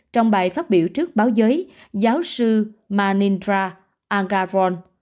trong bài phát biểu trước báo giới giáo sư manindra agarwal